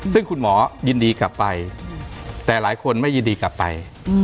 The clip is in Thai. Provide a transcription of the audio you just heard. ซึ่งคุณหมอยินดีกลับไปแต่หลายคนไม่ยินดีกลับไป